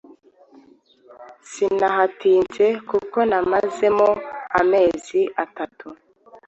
sinahatinze kuko namazemo amezi atatu